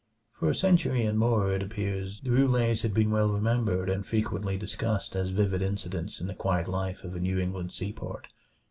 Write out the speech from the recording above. For a century and more, it appeared, the Roulets had been well remembered and frequently discussed as vivid incidents in the quiet life of a New England seaport.